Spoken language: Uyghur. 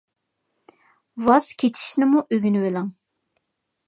ۋاز كېچىشنىمۇ ئۆگىنىۋېلىڭ.